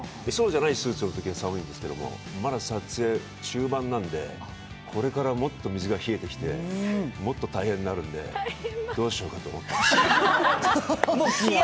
そうじゃないスーツのときに寒いんですけれども、まだ撮影中盤なんで、これからもっと水が冷えてきてもっと大変になるんで、どうしようかと思ってます。